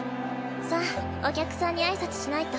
さぁお客さんに挨拶しないと。